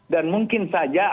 dan mungkin saja